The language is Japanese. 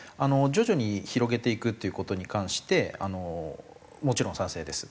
徐々に広げていくっていう事に関してもちろん賛成です。